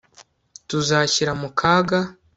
tuzashyira mu kaga